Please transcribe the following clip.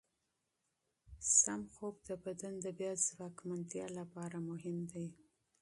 منظم خوب د بدن د بیا ځواکمنتیا لپاره مهم دی.